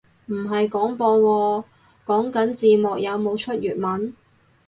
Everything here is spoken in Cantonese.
唔係廣播喎，講緊字幕有冇出粵文